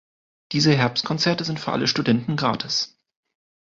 Diese Herbstkonzerte sind für alle Studenten gratis.